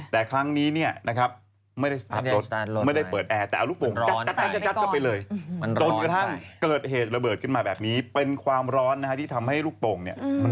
แต่ครั้งนี้ไม่ได้เปิดแอร์แต่เอารุกโป่งกัดก็ไปเลยจนกระทั่งเกิดเหตุระเบิดขึ้นมาแบบนี้เป็นความร้อนที่ทำให้ลูกโป่งระเบิด